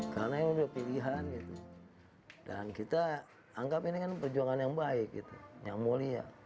karena ini sudah pilihan gitu dan kita anggap ini kan perjuangan yang baik gitu yang mulia